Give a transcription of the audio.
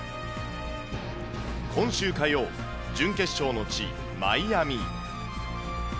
今週火曜、準決勝の地、マイアミ。